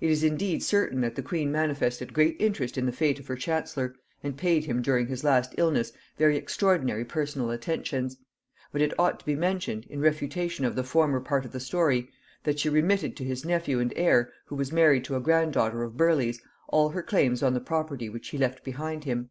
It is indeed certain that the queen manifested great interest in the fate of her chancellor, and paid him during his last illness very extraordinary personal attentions: but it ought to be mentioned, in refutation of the former part of the story, that she remitted to his nephew and heir, who was married to a grand daughter of Burleigh's, all her claims on the property which he left behind him.